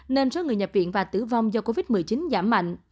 nên số người nhập viện và tử vong do covid một mươi chín giảm mạnh